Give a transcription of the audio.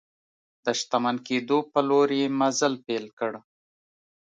د شتمن کېدو په لور یې مزل پیل کړ.